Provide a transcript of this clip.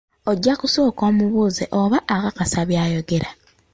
Ojja kusooka omubuuze oba akakasa by’ayogera.